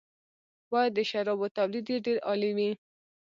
باید د شرابو تولید یې ډېر عالي وي.